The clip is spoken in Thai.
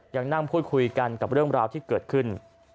ยังนั่งพูดคุยกันกับเรื่องราวที่เกิดขึ้น